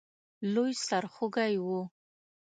لوی سرخوږی وو.